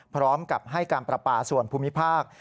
พร้อมกับให้การประปาส่วนภูมิภาค